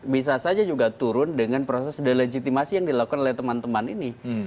bisa saja juga turun dengan proses delegitimasi yang dilakukan oleh teman teman ini